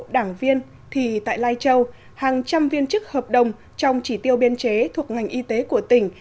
đảng viên thì tại lai châu hàng trăm viên chức hợp đồng trong chỉ tiêu biên chế thuộc ngành y tế của tỉnh